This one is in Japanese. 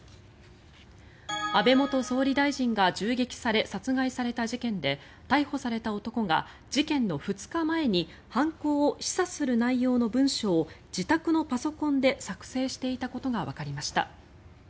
安倍元総理大臣が銃撃され殺害された事件で逮捕された男が事件の２日前に犯行を示唆する内容の文書を自宅のパソコンで作成していたことがわかりました。